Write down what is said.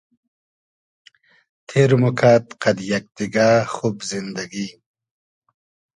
تېر موکئد قئد یئگ دیگۂ خوب زیندئگی